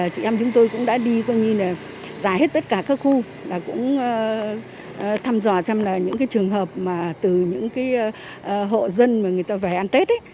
chúng tôi đã đi rà hết tất cả các khu thăm dò những trường hợp từ những hộ dân về ăn tết